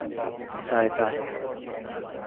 تائتا